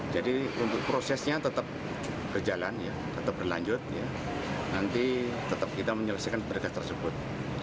jadi prosesnya tetap berjalan tetap berlanjut nanti tetap kita menyelesaikan berkat tersebut